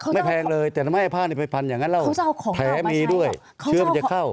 แพงเลยแต่ทำไมผ้านี้ไปพันอย่างนั้นแล้วแผลมีด้วยเชื้อมันจะเข้า